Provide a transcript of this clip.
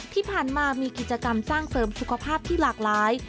ที่ผ่านมามีกิจกรรมสร้างเสริมสุขภาพที่หลากหลาย